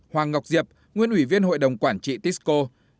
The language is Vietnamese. bốn hoàng ngọc diệp nguyễn ủy viên hội đồng quản trị tisco